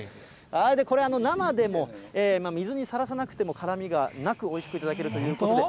これ、生でも水にさらさなくても辛みがなく、おいしく食べられるということで。